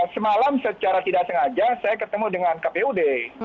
semalam secara tidak sengaja saya ketemu dengan kpud